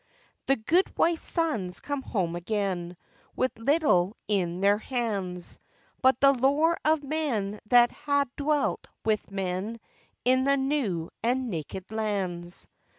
The good wife's sons come home again With little into their hands, But the lore of men that ha' dealt with men In the new and naked lands.